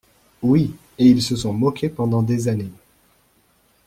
Oui, et ils se sont moqués pendant des années.